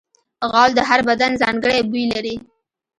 غول د هر بدن ځانګړی بوی لري.